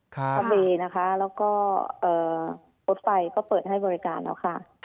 ทะเลนะคะแล้วก็รถไฟก็เปิดให้บริการแล้วค่ะ